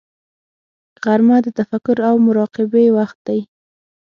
غرمه د تفکر او مراقبې وخت دی